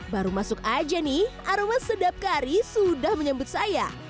baru masuk aja nih aroma sedap kari sudah menyambut saya